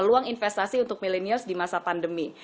peluang investasi untuk milenials di masa pandemi